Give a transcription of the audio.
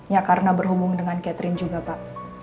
ya karena berhubung dengan catherine juga pak